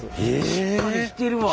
しっかりしてるわ。